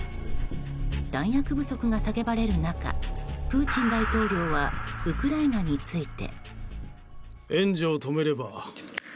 弾薬不足が叫ばれる中プーチン大統領はウクライナについて。